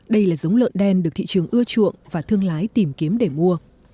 đây là giống lợn đen được thị trường ưa chuộng và thương lái tìm kiếm để mua